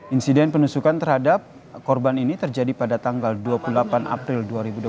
insiden penusukan terhadap korban ini terjadi pada tanggal dua puluh delapan april dua ribu dua puluh